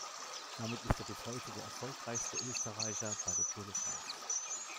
Damit ist er bis heute der erfolgreichste Österreicher bei der Tour de France.